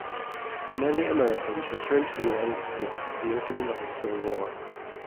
Many Americans returned to the United States at the opening of the Civil War.